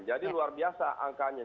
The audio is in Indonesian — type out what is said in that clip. jadi luar biasa angkanya